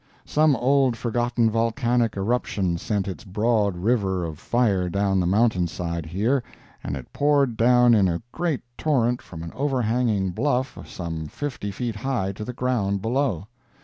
Some old forgotten volcanic eruption sent its broad river of fire down the mountain side here, and it poured down in a great torrent from an overhanging bluff some fifty feet high to the ground below.